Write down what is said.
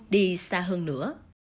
đi xa hơn nữa